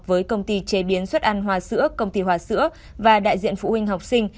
với công ty chế biến xuất ăn hoa sữa công ty hòa sữa và đại diện phụ huynh học sinh